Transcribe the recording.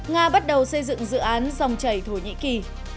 nga bắt đầu xây dựng dự án dòng chảy thổ nhĩ kỳ